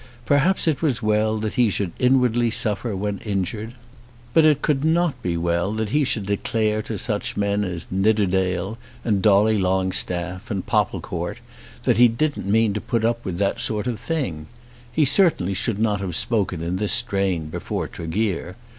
Perhaps it was well that he should inwardly suffer when injured. But it could not be well that he should declare to such men as Nidderdale, and Dolly Longstaff, and Popplecourt that he didn't mean to put up with that sort of thing. He certainly should not have spoken in this strain before Tregear.